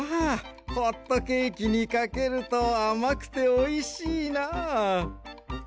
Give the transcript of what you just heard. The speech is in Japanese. ホットケーキにかけるとあまくておいしいなあ。